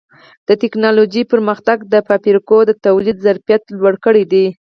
د ټکنالوجۍ پرمختګ د فابریکو د تولید ظرفیت لوړ کړی دی.